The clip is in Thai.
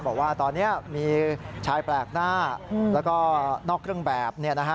บอกว่าตอนนี้มีชายแปลกหน้าแล้วก็นอกเครื่องแบบ